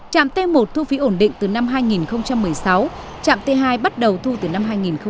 trạm t một thu phí ổn định từ năm hai nghìn một mươi sáu trạm t hai bắt đầu thu từ năm hai nghìn một mươi bảy